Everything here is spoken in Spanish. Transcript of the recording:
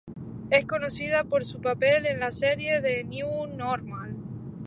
Es conocida por su papel en la serie "The New Normal".